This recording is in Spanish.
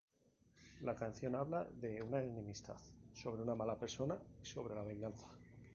La canción habla de una enemistad, sobre una mala persona y sobre la venganza.